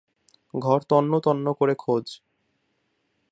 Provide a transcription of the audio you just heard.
ঘর তন্ন তন্ন করে খোঁজ।